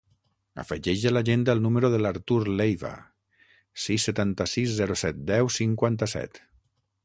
Afegeix a l'agenda el número de l'Artur Leiva: sis, setanta-sis, zero, set, deu, cinquanta-set.